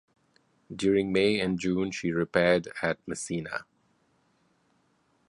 During May and June she repaired at Messina.